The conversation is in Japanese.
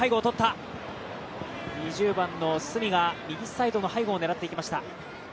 ２０番、角が右サイドを狙っていきました。